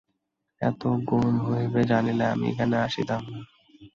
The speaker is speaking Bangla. এত গোল হইবে জানিলে আমি এখানে আসিতাম না।